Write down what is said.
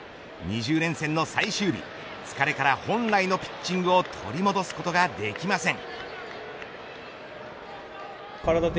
２０連戦の最終日疲れから本来のピッチングを取り戻すことができません。